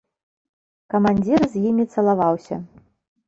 Камандзір з імі цалаваўся.